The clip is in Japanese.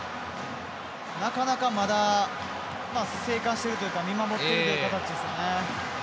なかなか、まだ静観しているというか見守っている形ですね。